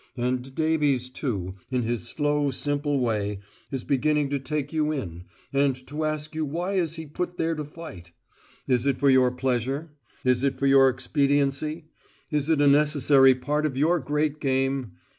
And Davies, too, in his slow simple way, is beginning to take you in, and to ask you why he is put there to fight? Is it for your pleasure? Is it for your expediency? Is it a necessary part of your great game?